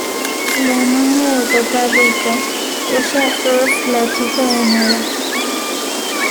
La "niña de papá rico", ella es la chica de moda.